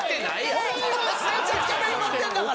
めちゃくちゃ恵まれてんだから。